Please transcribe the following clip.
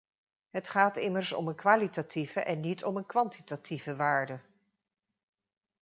Het gaat immers om een kwalitatieve en niet om een kwantitatieve waarde.